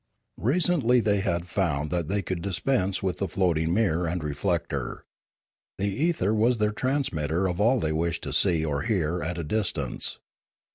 Recently they had found that they could dispense with the floating mirror and reflector. The ether was their transmitter of all they wished to see or hear at a distance.